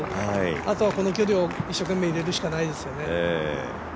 あとはこの距離を一生懸命入れるしかないですよね。